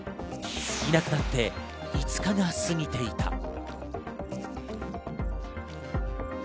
いなくなって５日が過ぎていた。